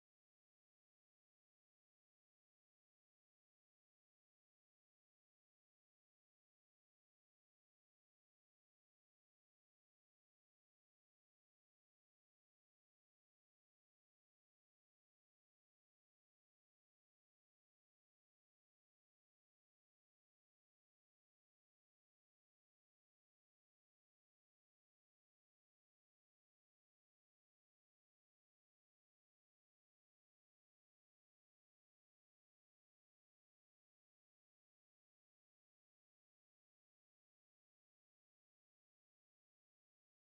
aku mau ke bukit nusa